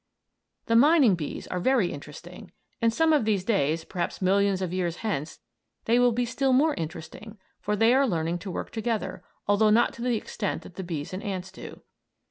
The mining bees are very interesting, and some of these days, perhaps millions of years hence, they will be still more interesting, for they are learning to work together, although not to the extent that the bees and ants do.